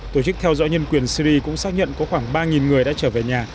tổ chức theo dõi nhân quyền syri cũng xác nhận có khoảng ba người đã trở về nhà